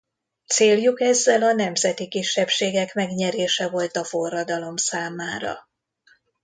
Céljuk ezzel a nemzeti kisebbségek megnyerése volt a forradalom számára.